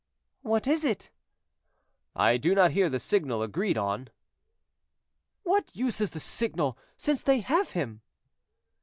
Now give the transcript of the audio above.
"What is it?" "I do not hear the signal agreed on." "What use is the signal, since they have him?"